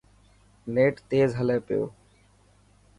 نيٽ تيز هلي پيو.